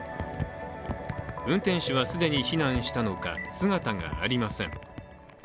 運転手は既に避難したのか姿がありません。